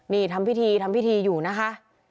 นี่ทำพิธีทำพิธีอยู่นะคะ